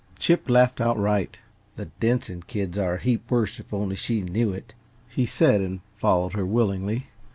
Chip laughed outright. "The Denson kids are a heap worse, if she only knew it," he said, and followed her willingly.